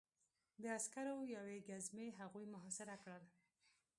د عسکرو یوې ګزمې هغوی محاصره کړل